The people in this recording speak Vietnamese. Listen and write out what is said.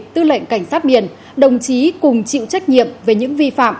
tư lệnh cảnh sát biển đồng chí cùng chịu trách nhiệm về những vi phạm